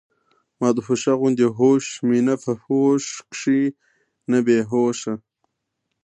مدهوشه غوندي هوش مي نۀ پۀ هوش کښې نۀ بي هوشه